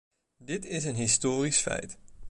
Dit is een historisch feit.